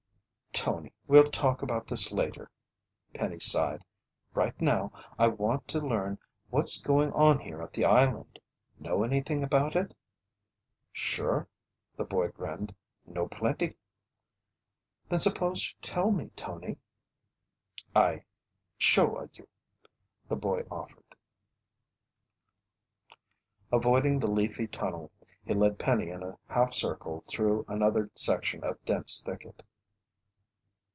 "Tony, we'll talk about this later," Penny sighed. "Right now, I want to learn what's going on here at the island. Know anything about it?" "Sure," the boy grinned. "Know plenty." "Then suppose you tell me, Tony." "I show a you," the boy offered. Avoiding the leafy tunnel, he led Penny in a half circle through another section of dense thicket.